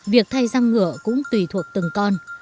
việc thay răng ngựa cũng tùy thuộc từng con